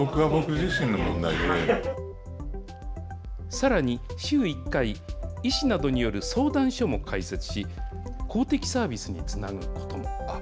さらに、週１回、医師などによる相談所も開設し、公的サービスにつなぐことも。